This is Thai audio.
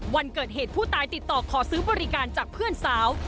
วันเกิดเหตุผู้ตายติดต่อขอซื้อบริการจากเพื่อนสาว